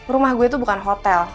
rumah gue itu bukan hotel